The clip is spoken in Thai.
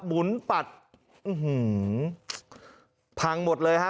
หมุนปัดอื้อหือพังหมดเลยฮะ